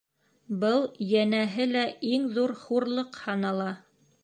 Был, йәнәһе лә, иң ҙур хурлыҡ һанала.